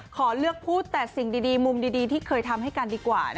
ขอเลือกพูดแต่สิ่งดีมุมดีที่เคยทำให้กันดีกว่า